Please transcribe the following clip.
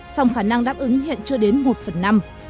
song khả năng đáp ứng hiện chưa đến một phần năm